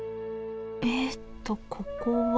えっとここは。